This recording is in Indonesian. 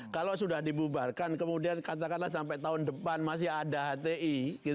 kalau sudah dibubarkan kemudian katakanlah sampai tahun depan masih ada hti